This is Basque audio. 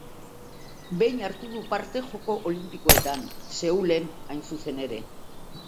Behin hartu du parte Joko Olinpikoetan: Seulen hain zuzen ere.